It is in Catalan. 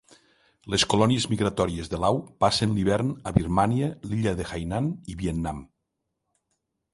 Les colònies migratòries de l'au passen l'hivern a Birmània, l'illa de Hainan i Vietnam.